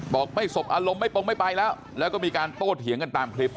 บอกไม่สบอารมณ์ไม่ปงไม่ไปแล้วแล้วก็มีการโต้เถียงกันตามคลิป